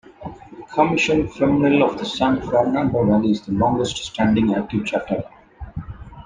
Comision Femenil of the San Fernando Valley is the longest-standing active chapter.